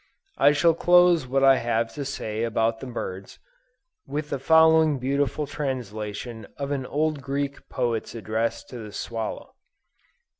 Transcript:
I shall close what I have to say about the birds, with the following beautiful translation of an old Greek poet's address to the swallow.